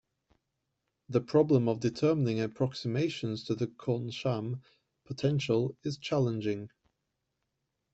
The problem of determining approximations to the Kohn-Sham potential is challenging.